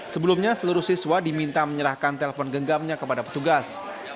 sebelumnya seluruh siswa diminta menyerahkan telpon genggamnya kepada petugas